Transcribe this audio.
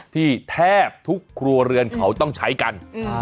แทบทุกครัวเรือนเขาต้องใช้กัน